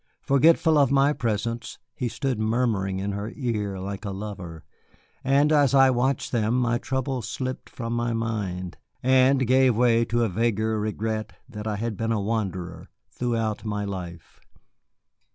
Forgetful of my presence, he stood murmuring in her ear like a lover; and as I watched them my trouble slipped from my mind, and gave place to a vaguer regret that I had been a wanderer throughout my life.